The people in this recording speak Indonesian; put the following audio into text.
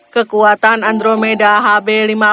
kekuatan andromeda hb lima puluh